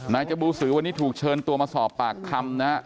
จบูสือวันนี้ถูกเชิญตัวมาสอบปากคำนะฮะ